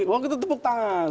waktu itu tepuk tangan